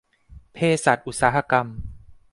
เภสัชอุตสาหกรรม